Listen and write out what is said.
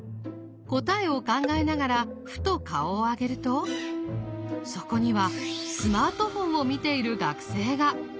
答えを考えながらふと顔を上げるとそこにはスマートフォンを見ている学生が！